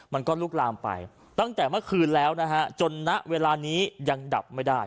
มันก็ลุกลามไปตั้งแต่เมื่อคืนแล้วนะฮะจนณเวลานี้ยังดับไม่ได้